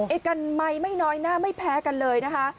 กันไมค์ไม่น้อยหน้าไม่แพ้กันเลยนะคะ